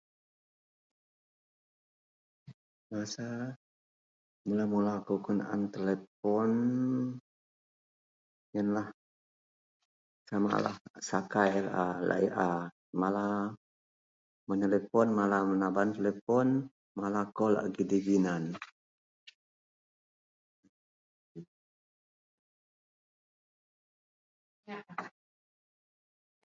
Masa mula-mula akou kenaan telepon iyenlah samalah sakai laei laei a malar menaban malar kol gidi-ginan menaban hanpon menefon gidi-ginan.........